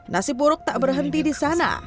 nasib buruk tak berhenti di sana